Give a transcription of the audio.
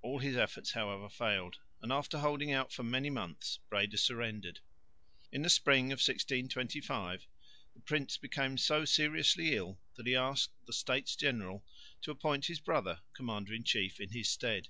All his efforts however failed, and after holding out for many months Breda surrendered. In the spring of 1625 the prince became so seriously ill that he asked the States General to appoint his brother commander in chief in his stead.